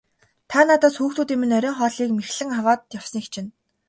Та надаас хүүхдүүдийн минь оройн хоолыг мэхлэн аваад явсныг чинь.